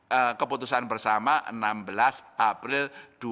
dan keputusan bersama enam belas april dua ribu dua puluh